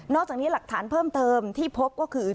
จากนี้หลักฐานเพิ่มเติมที่พบก็คือ